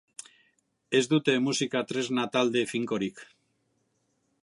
Ez dute musika tresna talde finkorik.